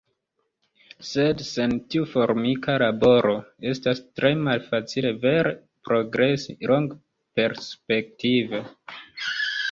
Sed sen tiu formika laboro, estas tre malfacile vere progresi longperspektive.